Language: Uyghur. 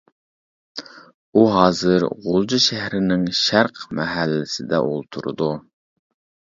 ئۇ ھازىر غۇلجا شەھىرىنىڭ شەرق مەھەللىسىدە ئولتۇرىدۇ.